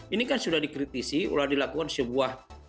ini kan sudah dikritisi sudah dilakukan sebuah